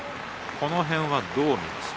この辺はどう見ますか？